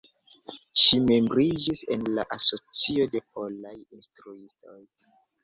Ŝi membriĝis en la Asocio de Polaj Instruistoj.